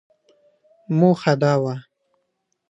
موخه دا وه ،